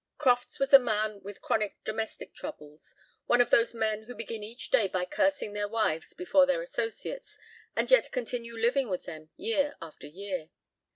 Crofts was a man with chronic domestic troubles, one of those men who begin each day by cursing their wives before their associates and yet continue living with them year after year.